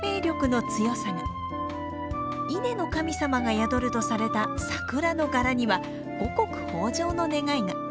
稲の神様が宿るとされた桜の柄には五穀豊穣の願いが。